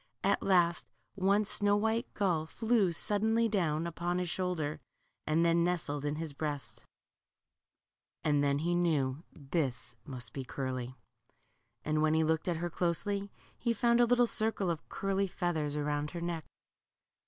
At last, one snow white gull flew suddenly down upon his shoulder, and then nestled in his breast ; 126 LITTLE CURLY. . and then he knew that must be Curly. And when he looked at her closely he found a little circle of curly feathers round her neck.